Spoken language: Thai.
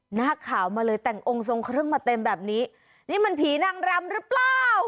หน้าขาวมาเลยแต่งองค์ทรงเครื่องมาเต็มแบบนี้นี่มันผีนางรำหรือเปล่า